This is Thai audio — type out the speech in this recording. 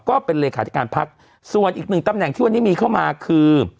ก็เป็นเลขาธิการพักส่วนอีกหนึ่งตำแหน่งที่วันนี้มีเข้ามาคือ